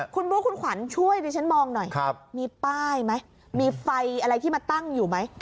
คุณบุ๊คคุณขวัญช่วยดิฉันมองหน่อยมีป้ายไหมมีไฟอะไรที่มาตั้งอยู่ไหม